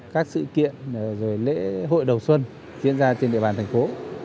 các sự kiện rồi lễ hội đầu xuân diễn ra trên địa bàn thành phố